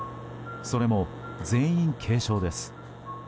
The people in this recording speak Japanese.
それも全員軽症です。